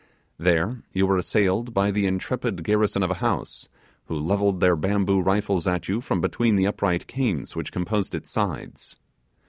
There you were assailed by the intrepid garrison of a house, who levelled their bamboo rifles at you from between the upright canes which composed its sides.